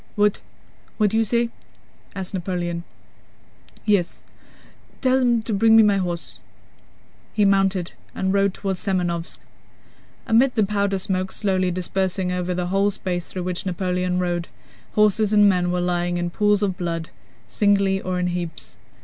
"What? What do you say?" asked Napoleon. "Yes, tell them to bring me my horse." He mounted and rode toward Semënovsk. Amid the powder smoke, slowly dispersing over the whole space through which Napoleon rode, horses and men were lying in pools of blood, singly or in heaps.